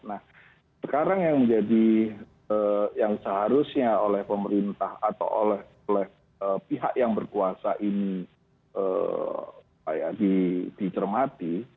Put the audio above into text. nah sekarang yang menjadi yang seharusnya oleh pemerintah atau oleh pihak yang berkuasa ini dicermati